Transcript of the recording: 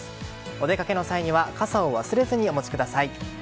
お出かけの際には傘を忘れずにお持ちください。